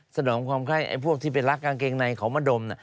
สนองความไข้ไอ้พวกที่ไปรักกางเกงในเขามาดม